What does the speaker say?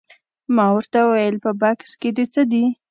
ما ورته وویل په بکس کې دې څه دي؟